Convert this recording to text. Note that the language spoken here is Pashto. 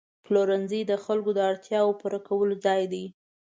پلورنځی د خلکو د اړتیاوو پوره کولو ځای دی.